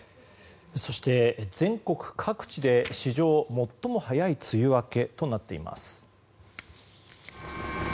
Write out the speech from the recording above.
そして、全国各地で史上最も早い梅雨明けとなっています。